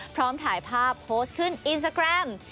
พร้อมถ่ายภาพโพสต์ขึ้นอินสตาแกรม